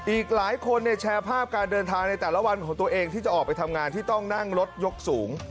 อีกหลายคนแชร์ภาพการเดินทางในแต่ละวันของตัวเองที่จะออกไปทำงานที่ต้องนั่งรถยกสูง